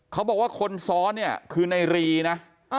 เขาบอกว่าคนซ้อนเนี่ยคือในรีนะ